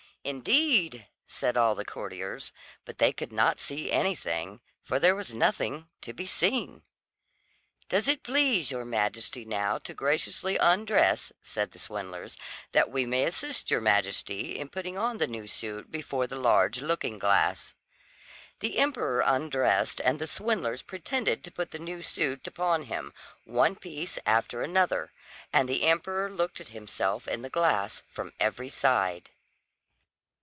"Indeed!" said all the courtiers; but they could not see anything, for there was nothing to be seen. "Does it please your Majesty now to graciously undress," said the swindlers, "that we may assist your Majesty in putting on the new suit before the large looking glass?" The emperor undressed, and the swindlers pretended to put the new suit upon him, one piece after another; and the emperor looked at himself in the glass from every side.